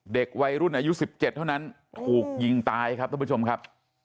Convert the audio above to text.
เด็กวัยรุ่นอายุ๑๗เท่านั้นถูกยิงตายครับท่านผู้ชมครับ